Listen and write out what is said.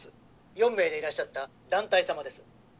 ４名でいらっしゃった団体様です。